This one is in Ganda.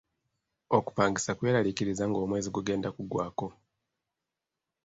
Okupangisa kweraliikiriza nga omwezi gugenda kuggwako.